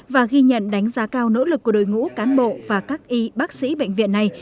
và ghi nhận đánh giá cao nỗ lực của đội ngũ cán bộ và các y bác sĩ bệnh viện này